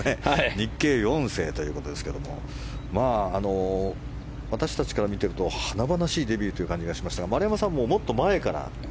日系４世ということですけども私たちから見ていると華々しいデビューという感じがしましたが丸山さんはずっと前から？